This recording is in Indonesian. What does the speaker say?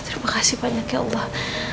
terima kasih banyak ya allah